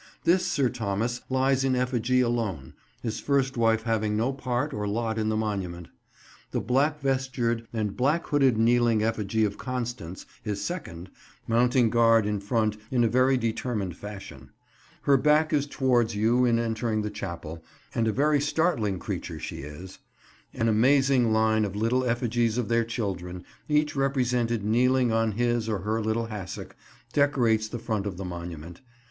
This Sir Thomas lies in effigy alone, his first wife having no part or lot in the monument; the black vestured and black hooded kneeling effigy of Constance, his second, mounting guard in front in a very determined fashion. Her back is towards you in entering the chapel, and a very startling creature she is. An amazing line of little effigies of their children, each represented kneeling on his or her little hassock, decorates the front of the monument.